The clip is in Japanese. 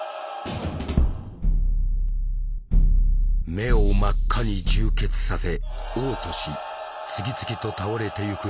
目を真っ赤に充血させ嘔吐し次々と倒れてゆく兵士たち。